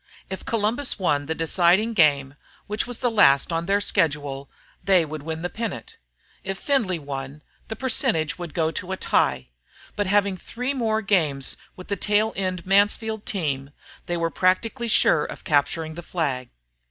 If Columbus won the deciding game, which was the last on their schedule, they would win the pennant. If Findlay won, the percentage would go to a tie; but having three more games with the tail end Mansfield team they were practically sure of capturing the flag.